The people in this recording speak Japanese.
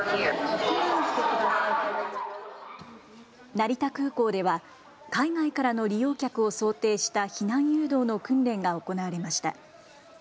成田空港では海外からの利用客を想定した避難誘導の訓練が行われました。